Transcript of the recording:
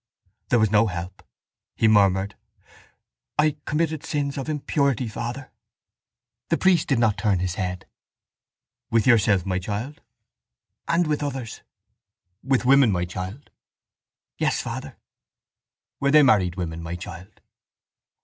There was no help. He murmured: —I... committed sins of impurity, father. The priest did not turn his head. —With yourself, my child? —And... with others. —With women, my child? —Yes, father. —Were they married women, my child?